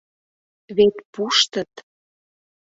— Вет пуштыт!